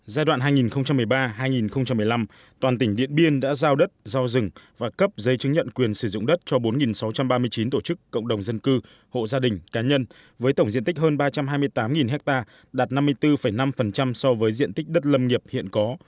giai đoạn hai nghìn một mươi ba hai nghìn một mươi năm toàn tỉnh điện biên đã giao đất giao rừng và cấp giấy chứng nhận quyền sử dụng đất cho bốn sáu trăm ba mươi chín tổ chức cộng đồng dân cư hộ gia đình cá nhân với tổng diện tích hơn ba trăm hai mươi tám ha đạt năm mươi bốn năm so với diện tích đất lâm nghiệp hiện có